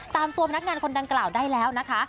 ตามตัวพนักงานคนดังกล่าวได้แล้วนะคะ